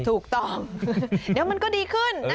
ถูกต้องเดี๋ยวมันก็ดีขึ้นนะ